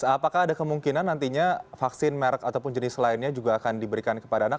apakah ada kemungkinan nantinya vaksin merek ataupun jenis lainnya juga akan diberikan kepada anak